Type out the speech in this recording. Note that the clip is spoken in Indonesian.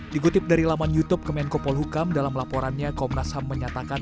digutip dari laman youtube ke menko polhukam dalam laporannya komnas ham menyatakan